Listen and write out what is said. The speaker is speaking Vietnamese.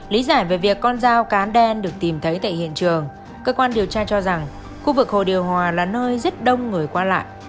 lý giải về việc con dao cá đen được tìm thấy tại hiện trường cơ quan điều tra cho rằng khu vực hồ điều hòa là nơi rất đông người qua lại